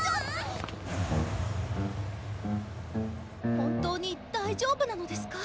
本当に大丈夫なのですか？